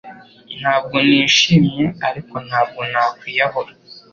Ntabwo nishimye ariko ntabwo nakwiyahura